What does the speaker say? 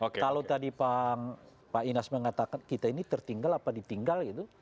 kalau tadi pak inas mengatakan kita ini tertinggal apa ditinggal gitu